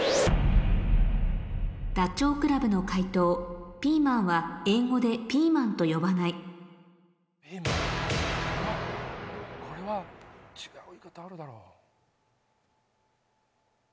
ダチョウ倶楽部の解答ピーマンは英語で「ピーマン」と呼ばないこれは違う言い方あるだろ。